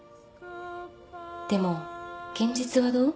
でも現実はどう？